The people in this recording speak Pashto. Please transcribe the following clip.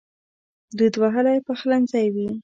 دود وهلی پخلنځی وي